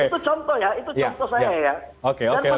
itu contoh ya itu contoh saya ya